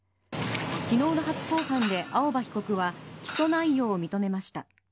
昨日の初公判で青葉被告は起訴内容を認めました。